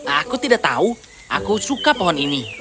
aku tidak tahu aku suka pohon ini